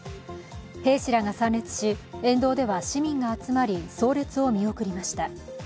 兵士らが参列し、沿道では市民が集まり、葬列を見送りました。